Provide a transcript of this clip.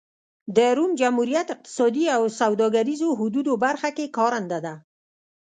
د روم جمهوریت اقتصادي او سوداګریزو حدودو برخه کې کارنده ده.